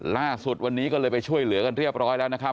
ล่าสุดวันนี้ก็เลยไปช่วยเหลือกันเรียบร้อยแล้วนะครับ